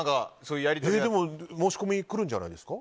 でも申し込みくるんじゃないんですか？